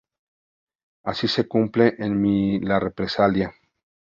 Así se cumple en mí la represalia.